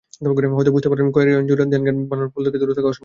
হয়তো বুঝতে পারেন ক্যারিয়ারজুড়ে ধ্যানজ্ঞান বানানো পুল থেকে দূরে থাকা অসম্ভব।